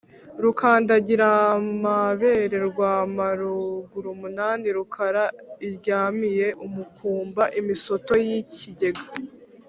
Rukandagiramabere rwa Magurumunani Rukara iryamiye umukumba.-Imisoto y'ikigega.